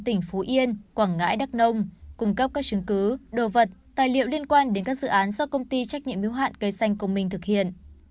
cũng có văn bản yêu cầu ủy ban nhân dân tỉnh phú yên quảng ngãi đắk nông cung cấp các chứng cứ đồ vật tài liệu liên quan đến các dự án do công ty trách nhiệm yếu hạn cây xanh công minh thực hiện